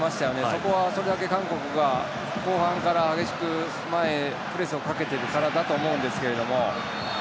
そこはそれだけ韓国が後半から激しく、前プレスをかけてるからだと思うんですけど。